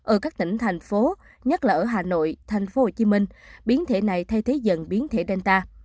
ở các tỉnh thành phố nhất là ở hà nội tp hcm biến thể này thay thế dần biến thể danta